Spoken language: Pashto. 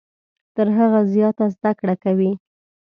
تر هغه زیاته زده کړه کوي .